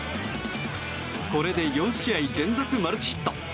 これで４試合連続マルチヒット。